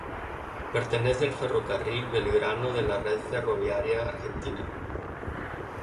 Pertenece al Ferrocarril Belgrano de la Red Ferroviaria Argentina.